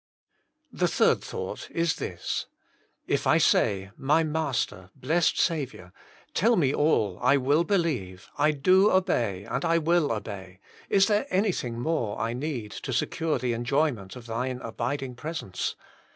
The third thought is this : If I say, *<My Master, blessed Saviour, tell me all, I will believe, I do .obey, and I will obey. Is there anything more I need to secure the enjoyment of Thine abiding presence